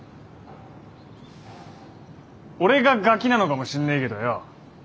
俺がガキなのかもしんねえけどよ。